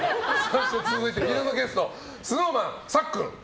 続いて昨日のゲストＳｎｏｗＭａｎのさっくん。